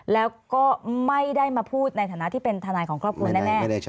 แล้วก็ไม่ได้มาพูดในฐานะที่เป็นทนายของครอบครัวแน่